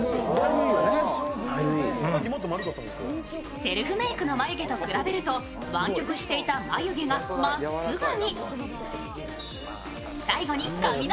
セルフメイクの眉毛と比べると湾曲していた眉毛がまっすぐに。